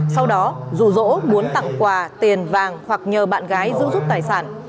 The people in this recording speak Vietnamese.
sau đó rụ rỗ muốn tặng quà tiền vàng hoặc nhờ bạn gái giữ giúp tài sản